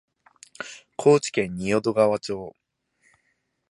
高知県仁淀川町